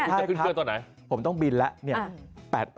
คุณจะขึ้นเครื่องตอนไหนใช่ครับผมต้องบินแล้ว